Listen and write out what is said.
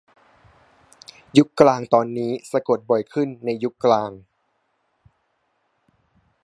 ยุคกลางตอนนี้สะกดบ่อยขึ้นในยุคกลาง